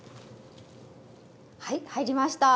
はい入りました！